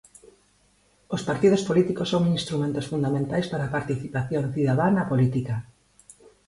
Os partidos políticos son instrumentos fundamentais para a participación cidadá na política.